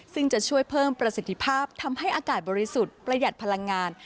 ซึ่งจะช่วยเพิ่มประสิทธิภาพทำให้อากาศบริสุทธิ์ประหยัดพลังงาน